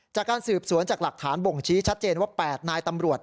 จากการสืบสวนจากหลักฐานบ่งชี้ชัดเจนว่า๘นายตำรวจ